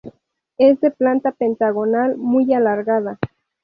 Es de planta pentagonal muy alargada.